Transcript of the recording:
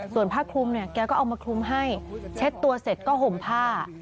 ส่วนผ้าคลุมเนี่ยแกก็เอามาคลุมให้เช็ดตัวเสร็จก็ห่มผ้า